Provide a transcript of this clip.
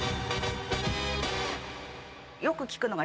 よく聞くのが。